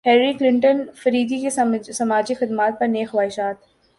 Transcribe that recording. Hillary Clinton فریدی کی سماجی خدمات پر نیک خواہشات